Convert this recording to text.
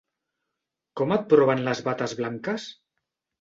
Com et proven les bates blanques?